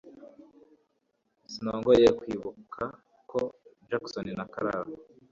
sinongoye kwibuka ko Jackson na Clara